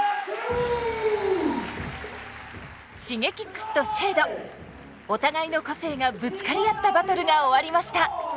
ＳｈｉｇｅｋｉｘとＳＨＡＤＥお互いの個性がぶつかり合ったバトルが終わりました。